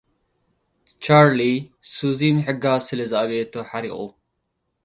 ቻርሊ፡ ሱዚ ምሕጋዝ ስለ ዝኣበይቶ ሓሪቝ።